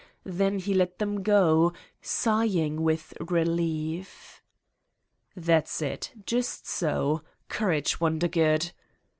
Then he let them go, sighing with relief. "That's it. Just so. Courage, Wondergood!"